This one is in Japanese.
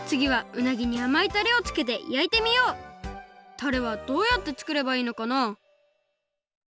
たれはどうやってつくればいいのかな？